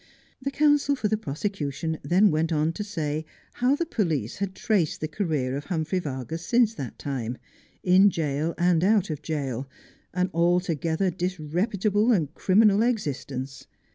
The counsel for the prosecution then went on to say how the police had traced the career of Humphrey Vargas since that time, in 52 Just as I Am. jail and out of jail, an altogether disreputable and criminal exist ence.